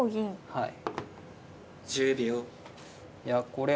はい。